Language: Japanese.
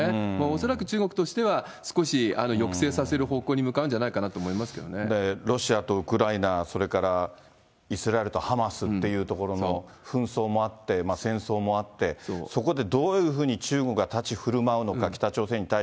恐らく中国としては少し抑制させる方向に向かうんじゃないかなとロシアとウクライナ、それからイスラエルとハマスっていうところの紛争もあって、戦争もあって、私の肌は欲張り。